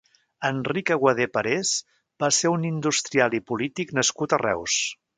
Enric Aguadé Parés va ser un industrial i polític nascut a Reus.